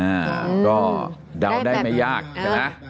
อ่าก็แดวได้ไม่ยากนะ